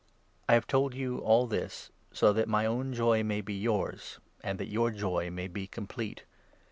I have told you all this so that my n own joy may be yours, and that your joy may be complete.